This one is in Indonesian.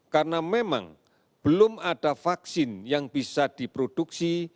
karena memang belum ada vaksin yang bisa diproduksi